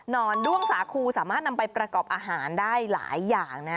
ด้วงสาคูสามารถนำไปประกอบอาหารได้หลายอย่างนะ